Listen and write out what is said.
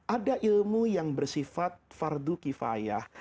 ada ilmu yang bersifat fardu kifayah